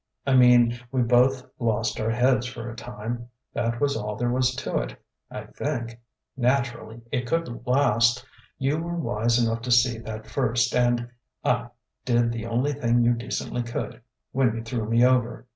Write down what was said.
I mean, we both lost our heads for a time. That was all there was to it, I think. Naturally it couldn't last. You were wise enough to see that first and ah did the only thing you decently could, when you threw me over.